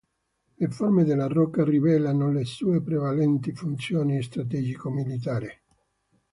Le forme della rocca rivelano le sue prevalenti funzioni strategico-militari.